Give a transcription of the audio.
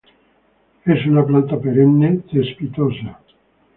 Es una planta perenne; cespitosa.